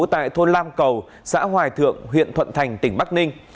tại thôn lam cầu xã hoài thượng huyện thuận thành tỉnh bắc ninh